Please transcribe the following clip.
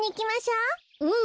うん。